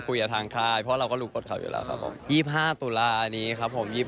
ไปคุยกับทางคลายเพราะเราก็ลูกบทเขาอยู่แล้วครับครับผม